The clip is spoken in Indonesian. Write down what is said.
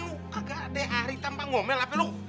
gak ada hari tanpa ngomel apa lo